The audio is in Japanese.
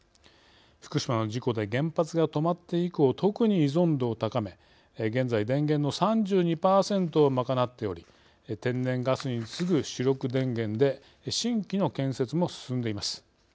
福島の事故で原発が止まって以降特に依存度を高め現在電源の３２％を賄っており天然ガスに次ぐ主力電源で新規の建設も進んでいます。